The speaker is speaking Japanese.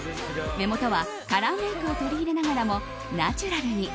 目元はカラーメイクを取り入れながらもナチュラルに。